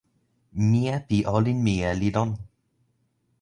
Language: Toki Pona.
mije pi olin mije li lon.